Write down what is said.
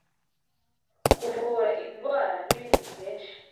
kuvura indwara, n’ibindi byinshi.